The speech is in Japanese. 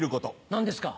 何ですか？